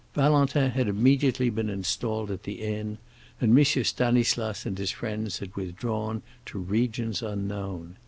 Valentin had immediately been installed at the inn, and M. Stanislas and his friends had withdrawn to regions unknown.